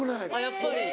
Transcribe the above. やっぱり。